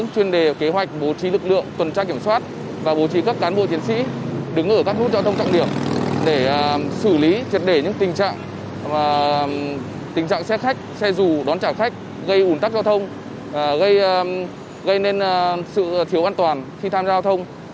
chuyên đề kế hoạch bố trí lực lượng tuần tra kiểm soát và bố trí các cán bộ chiến sĩ đứng ở các nút giao thông trọng điểm để xử lý triệt để những tình trạng tình trạng xe khách xe dù đón trả khách gây ủn tắc giao thông gây nên sự thiếu an toàn khi tham gia giao thông